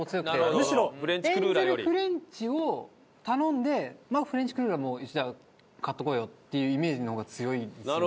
むしろエンゼルフレンチを頼んでフレンチクルーラーも買っておこうよっていうイメージの方が強いんですよね。